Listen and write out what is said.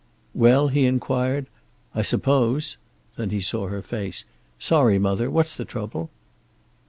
"Well?" he inquired. "I suppose " Then he saw her face. "Sorry, mother. What's the trouble?"